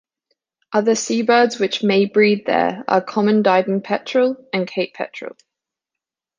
Other seabirds which may breed there are common diving-petrel and Cape petrel.